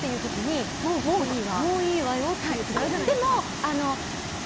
もういいわよっていう時あるじゃないですか。